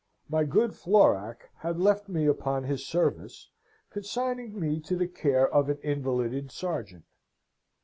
My good Florac had left me upon his service, consigning me to the care of an invalided sergeant.